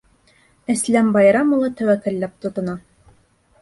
Әсләм Байрам улы тәүәккәлләп тотона.